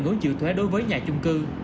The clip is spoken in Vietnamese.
ngốn chịu thuế đối với nhà chung cư